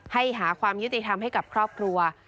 หาความยุติธรรมให้กับครอบครัว